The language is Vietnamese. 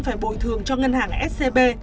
phải bồi thường cho ngân hàng scb